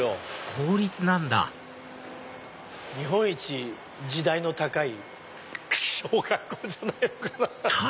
公立なんだ日本一地代の高い小学校じゃないのかな。